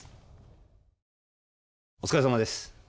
お疲れさまです。